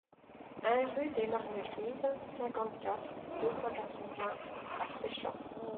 un rue des Marnes Grises, cinquante-quatre, deux cent quatre-vingts à Seichamps